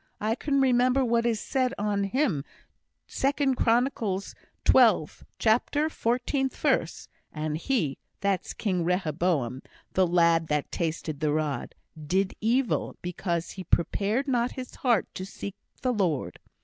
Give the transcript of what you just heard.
I can remember what is said on him, 2 Chronicles, xii. chapter, 14th verse: 'And he,' that's King Rehoboam, the lad that tasted the rod, 'did evil, because he prepared not his heart to seek the Lord.'